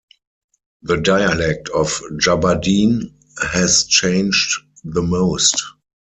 The dialect of Jubb'adin has changed the most.